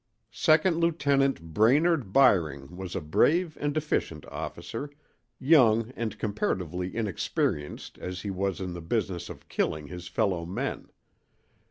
Second Lieutenant Brainerd Byring was a brave and efficient officer, young and comparatively inexperienced as he was in the business of killing his fellow men.